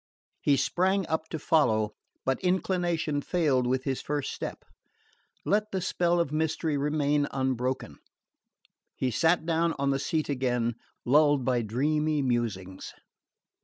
He sprang up to follow, but inclination failed with his first step. Let the spell of mystery remain unbroken! He sank down on the seat again lulled by dreamy musings...